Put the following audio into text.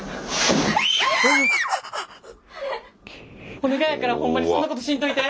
お願いやからホンマにそんなことしんといて！